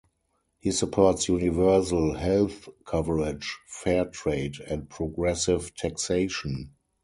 He supports universal health coverage, fair trade, and progressive taxation.